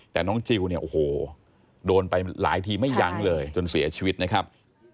แต่น้องจิลเนี่ยโอ้โหโดนไปหลายทีไม่ยั้งเลยจนเสียชีวิตนะครับ